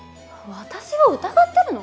私を疑ってるの？